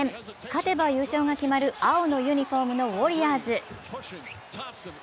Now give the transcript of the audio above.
勝てば優勝が決まる青のユニフォームのウォリアーズ。